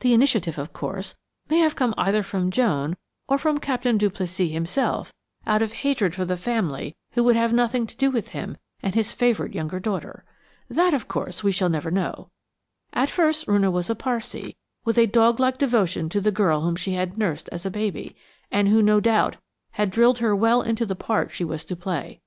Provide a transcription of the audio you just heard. The initiative, of course, may have come either from Joan or from Captain Duplessis himself, out of hatred for the family who would have nothing to do with him and his favourite younger daughter. That, of course, we shall never know. At first Roonah was a Parsee, with a dog like devotion to the girl whom she had nursed as a baby, and who no doubt had drilled her well into the part she was to play.